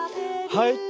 はい！